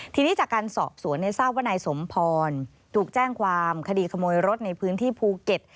ทีนี้จากการสอบสวนทราบว่านายสมพรถูกแจ้งความคดีขโมยรถในพื้นที่ภูเก็ต